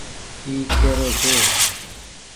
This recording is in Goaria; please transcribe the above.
اي ڪيرو ڇي۔